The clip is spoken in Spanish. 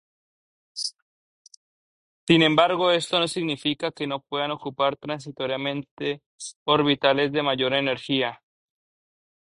Sin embargo esto no significa que no puedan ocupar transitoriamente orbitales de mayor energía.